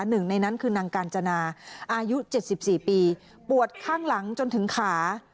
หนึ่งในนั้นคือนางกาญจนาอายุ๗๔ปีปวดข้างหลังจนถึงขา